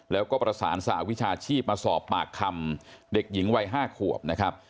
แล้วก็ประสานสหวิชาชีพมาสอบปากคำเด็กหญิงวัย๕ขวบนะครับ